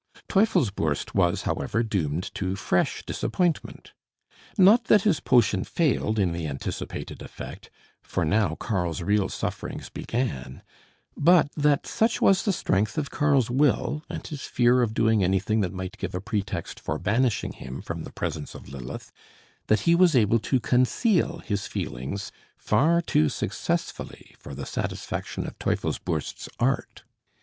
Teufelsbürst was, however, doomed to fresh disappointment. Not that his potion failed in the anticipated effect, for now Karl's real sufferings began; but that such was the strength of Karl's will, and his fear of doing anything that might give a pretext for banishing him from the presence of Lilith, that he was able to conceal his feelings far too successfully for the satisfaction of Teufelsbürst's art.